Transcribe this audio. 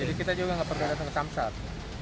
jadi kita juga gak perlu datang ke samsat